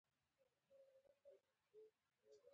د سیاسي علومو په برخه کي باید په پښتو ژبه کتابونه ولیکل سي.